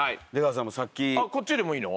あっこっちでもいいの？